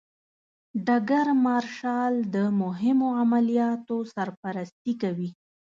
ډګر مارشال د مهمو عملیاتو سرپرستي کوي.